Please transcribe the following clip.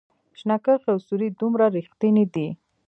شنه کرښې او سورې دومره ریښتیني دي